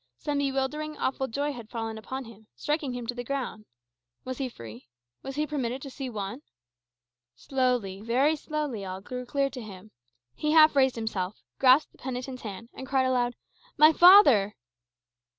Some bewildering, awful joy had fallen upon him, striking him to the earth. Was he free? Was he permitted to see Juan? Slowly, very slowly, all grew clear to him. He half raised himself, grasped the penitent's hand, and cried aloud, "_My father?